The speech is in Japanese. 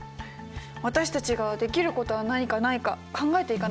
私たちができることは何かないか考えていかないといけませんね。